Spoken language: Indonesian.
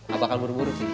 abakal buru buru pi